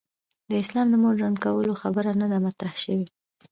د اسلام د مډرن کولو خبره نه ده مطرح شوې.